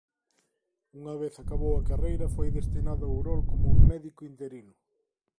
Unha vez acabou a carreira foi destinado a Ourol como médico interino.